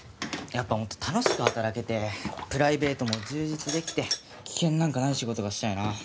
やっぱもっと楽しく働けてプライベートも充実できて危険なんかない仕事がしたいな。